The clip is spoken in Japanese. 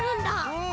うん。